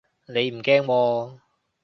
你唔驚喎